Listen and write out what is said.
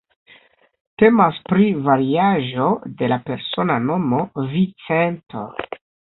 Temas pri variaĵo de la persona nomo "Vincento".